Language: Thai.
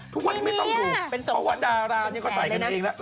ทุกคนไม่ต้องดูเพราะว่าดาราเขาใส่กันเองแล้ว